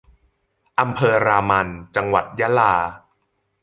อำเภอรามัน จังหวัดยะลา